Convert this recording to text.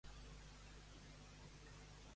Està d'acord amb Esquerra?